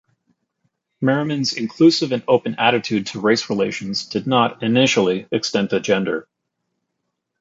Merriman's inclusive and open attitude to race relations did not, initially, extend to gender.